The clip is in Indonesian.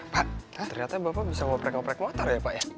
pak ternyata bapak bisa ngoprek ngoprek motor ya pak ya